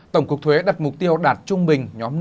tổng cục thuế đặt mục tiêu đạt trung bình